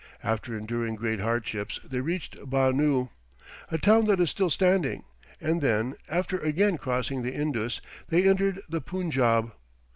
After enduring great hardships they reached Banoo, a town that is still standing, and then, after again crossing the Indus, they entered the Punjaub.